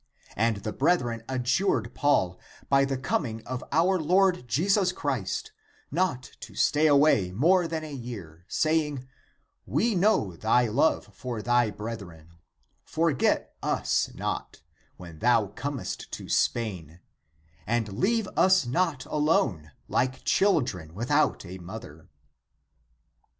And the brethren adjured Paul, by the coming of our Lord Jesus Christ ^ not to stay away more than a year, saying, " We know thy love for thy brethren ; forget us not, when thou comest (to Spain), and leave us not alone like chil dren without a mother."